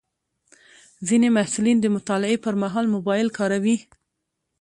ځینې محصلین د مطالعې پر مهال موبایل کاروي.